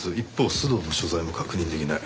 須藤の所在も確認できない。